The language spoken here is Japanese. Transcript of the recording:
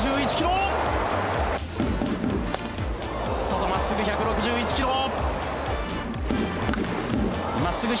外真っすぐ１６１ｋｍ！